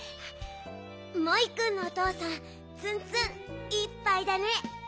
モイくんのおとうさんツンツンいっぱいだね。